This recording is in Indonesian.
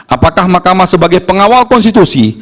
apakah mahkamah sebagai pengawal konstitusi